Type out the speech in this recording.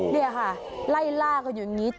นี่ค่ะไล่ล่ากันอยู่อย่างนี้